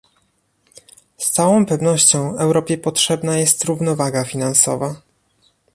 Z całą pewnością Europie potrzebna jest równowaga finansowa